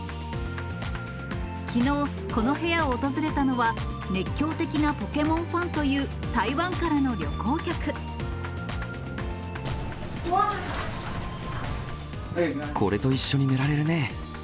きのう、この部屋を訪れたのは、熱狂的なポケモンファンという、これと一緒に寝られるね。